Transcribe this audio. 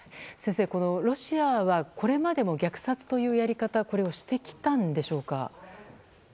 先生、ロシアはこれまでも虐殺というやり方をしてきたんでしょうか？